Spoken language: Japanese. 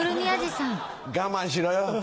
我慢しろよ。